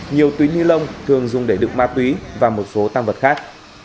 nhiều túi nilon thường dùng để đựng ma túy và một số tăng vật khác